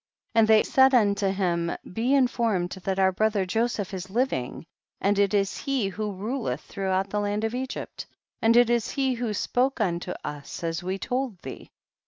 102. And they said unto him, be informed that our brother Joseph is living, and it is he who ruleth through , out the land of Egj^pt, and it is he who spoke unto us as we told thee.